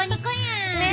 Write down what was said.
ねえ！